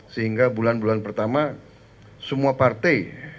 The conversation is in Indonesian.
sehingga bulan bulan pertama semua partai